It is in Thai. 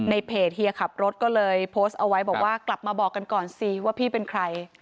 ในเพจเฮียขับรถก็เลยโพสต์เอาไว้บอกว่ากลับมาบอกกันก่อนสิว่าพี่เป็นใคร